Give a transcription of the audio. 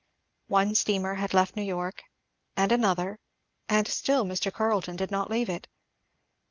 One steamer had left New York, and another, and still Mr. Carleton did not leave it.